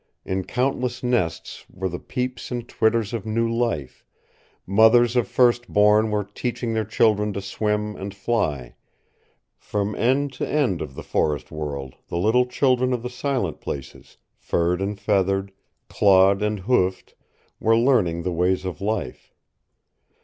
In countless nests were the peeps and twitters of new life; mothers of first born were teaching their children to swim and fly; from end to end of the forest world the little children of the silent places, furred and feathered, clawed and hoofed, were learning the ways of life.